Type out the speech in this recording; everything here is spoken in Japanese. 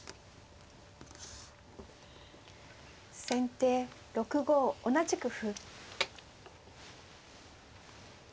先手６五同じく歩。